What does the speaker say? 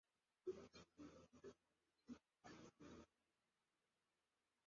The two women completed a hospital inspection tour across Illinois, Kentucky, and Missouri.